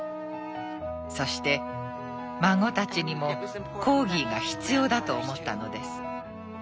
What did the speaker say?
そして孫たちにもコーギーが必要だと思ったのです。